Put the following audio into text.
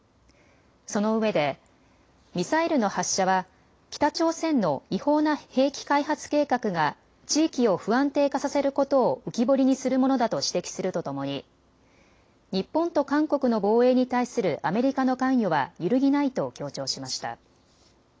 そのうえでミサイルの発射は北朝鮮の違法な兵器開発計画が地域を不安定化させることを浮き彫りにするものだと指摘するとともに日本と韓国の防衛に対するアメリカの関与は揺るぎないと強調しました。